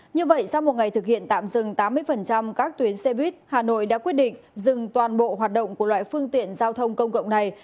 như vậy sau một ngày thực hiện tạm dừng tám mươi các tuyến xe buýt hà nội đã quyết định dừng toàn bộ hoạt động của loại phương tiện giao thông công cộng này